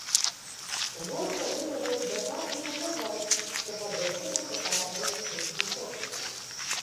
Вольта выказаў здагадку і паказаў, што па дроце працякае электрычны ток.